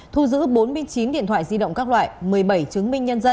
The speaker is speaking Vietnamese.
thu giữ bốn mươi chín điện thoại di động các loại